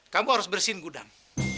kamu harus bersihin gudang